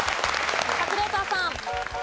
カズレーザーさん。